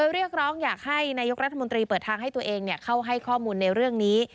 เรียกร้องอยากให้นายกรัฐมนตรีเปิดทางให้ตัวเองเข้าให้ข้อมูลในเรื่องนี้